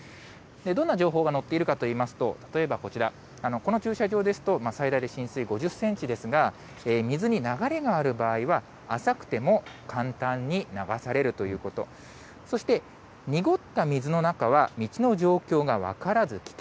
どんな情報が載っているかといいますと、例えばこちら、この駐車場ですと、最大で浸水５０センチですが、水に流れがある場合は浅くても簡単に流されるということ、そして、濁った水の中は道の状況が分からず危険。